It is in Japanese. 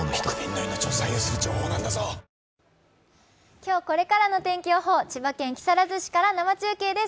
今日これからの天気予報、千葉県木更津市から生中継です。